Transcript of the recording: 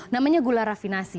namanya gula rafinasi